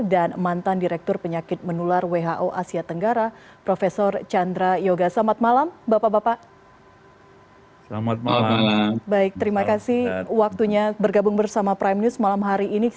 dan mantan direktur penyakit menular who asia tenggara prof chandra yoga